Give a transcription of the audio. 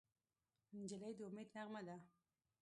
نجلۍ د امید نغمه ده.